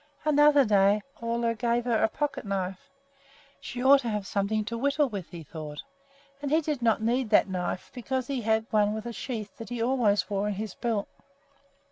Another day Ole gave her a pocketknife. She ought to have something to whittle with, he thought, and he did not need that knife because he had one with a sheath that he always wore in his belt.